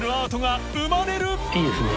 いいですね。